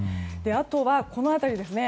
あとはこの辺りですね。